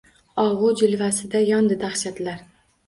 Og’u jilvasida yondi dahshatlar